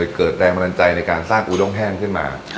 เกิดแรงบันดาลใจในการสร้างอูด้งแห้งขึ้นมา